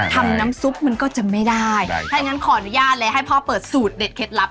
ทำน้ำซุปมันก็จะไม่ได้ใช่ถ้าอย่างงั้นขออนุญาตเลยให้พ่อเปิดสูตรเด็ดเคล็ดลับ